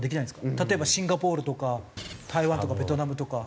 例えばシンガポールとか台湾とかベトナムとか。